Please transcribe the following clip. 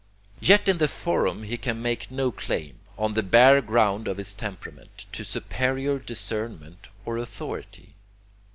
Yet in the forum he can make no claim, on the bare ground of his temperament, to superior discernment or authority.